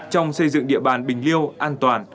trong xây dựng địa bàn bình liêu an toàn